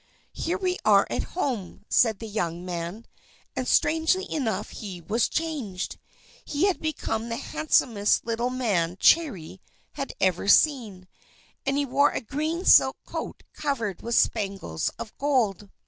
"Here we are at home!" said the young man and strangely enough he was changed! He had become the handsomest little man Cherry had ever seen, and he wore a green silk coat covered with spangles of gold.